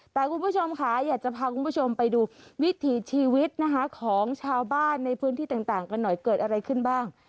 แต่คุณผู้ชมค่ะอยากจะพาคุณผู้ชมไปดูวิถีชีวิตนะคะของชาวบ้านในพื้นที่ต่างกันหน่อยเกิดอะไรขึ้นบ้าง